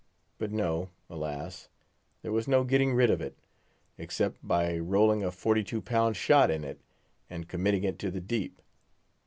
But no, alas! there was no getting rid of it, except by rolling a forty two pound shot in it, and committing it to the deep.